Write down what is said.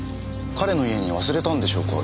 彼の家に忘れたんでしょうか？